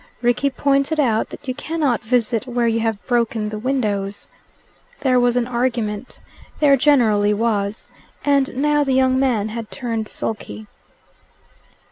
Rickie pointed out that you cannot visit where you have broken the windows. There was an argument there generally was and now the young man had turned sulky.